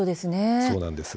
そうなんです。